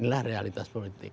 inilah realitas politik